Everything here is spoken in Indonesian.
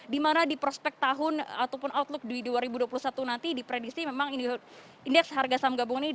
dimana di prospek tahun ataupun outlook di dua ribu dua puluh satu nanti diprediksi memang indeks harga saham gabungan ini